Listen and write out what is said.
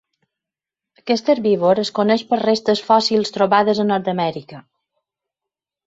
Aquest herbívor es coneix per restes fòssils trobades a Nord-amèrica.